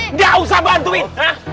enggak usah bantuin